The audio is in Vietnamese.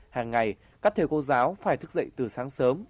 hàng ngày các thầy cô giáo phải thức dậy từ sáng sớm